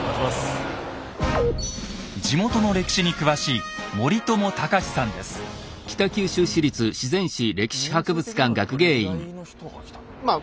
地元の歴史に詳しいまあ